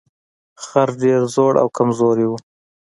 خر ډیر زوړ او کمزوری و.